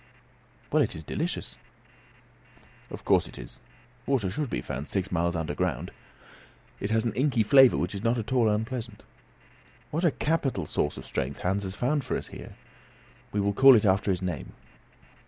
"Well, it is delicious!" "Of course it is, water should be, found six miles underground. It has an inky flavour, which is not at all unpleasant. What a capital source of strength Hans has found for us here. We will call it after his name."